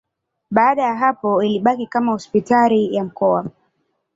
Baada ya hapo ilibaki kama hospitali ya mkoa.